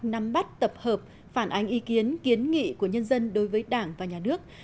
nắm bắt tập hợp phản ánh ý kiến kiến nghị của nhân dân đối với đảng và nhà nước